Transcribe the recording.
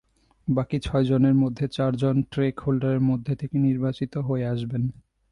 বাকি ছয়জনের মধ্যে চারজন ট্রেক হোল্ডারের মধ্য থেকে নির্বাচিত হয়ে আসবেন।